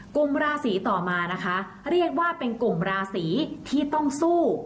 กลุ่มราศีต่อมานะคะเรียกว่าเป็นกลุ่มราศีที่ต้องสู้